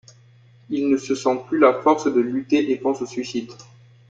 Il ne se sent plus la force de lutter et pense au suicide.